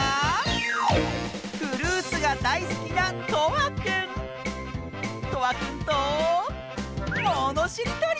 フルーツがだいすきなとわくんとものしりとり！